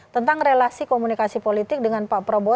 tentang relasi komunikasi politik dengan pak prabowo